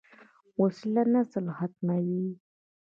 وسله نسل ختموي